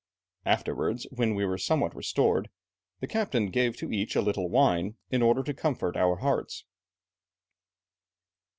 Afterwards, when we were somewhat restored, the captain gave to each a little wine, in order to comfort our hearts...."